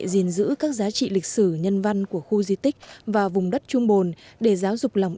gìn giữ các giá trị lịch sử nhân văn của khu di tích và vùng đất trung bồn để giáo dục lòng